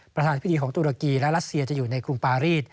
ประธานธิบดีของตุรกีและรัสเซียจะอยู่ในกรุงปารีส